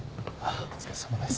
お疲れさまです。